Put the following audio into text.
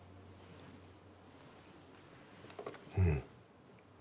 うん。